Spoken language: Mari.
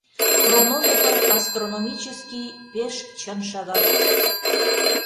Хронометр — астрономический пеш чын шагат.